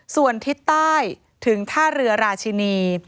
ส่วนทิศใต้ถึงท่าเรือราชินี